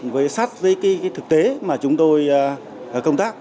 với sát với cái thực tế mà chúng tôi công tác